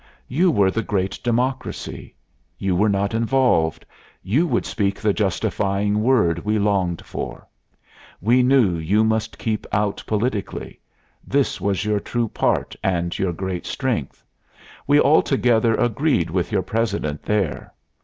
You were the great Democracy; you were not involved; you would speak the justifying word we longed for. We knew you must keep out politically; this was your true part and your great strength. We altogether agreed with your President there.